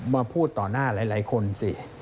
มาพูดต่อหน้าหลายคนสิ